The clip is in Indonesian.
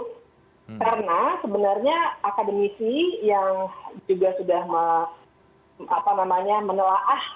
karena sebenarnya akademisi yang juga sudah menelaah